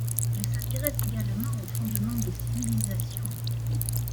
Il s'intéresse également aux fondements des civilisations.